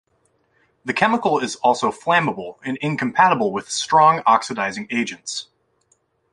The chemical is also flammable and incompatible with strong oxidizing agents.